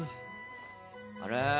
あれ？